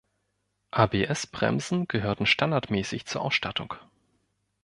ABS-Bremsen gehörten standardmäßig zur Ausstattung.